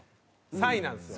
３位なんですよ。